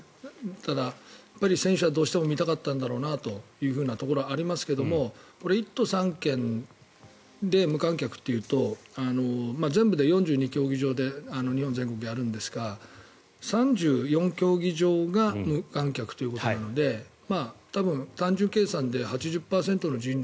ただ、選手はどうしても見たかったんだろうなというところはありますが１都３県で無観客というと全部で４２競技場で日本全国やるんですが３４競技場が無観客ということなので多分、単純計算で８０％の人流